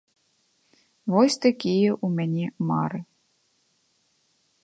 Вось такія ў мяне мары.